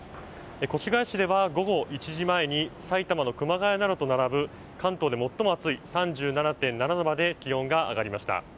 越谷市では午後１時前に埼玉の熊谷などと並ぶ関東で最も暑い３７．７度まで気温が上がりました。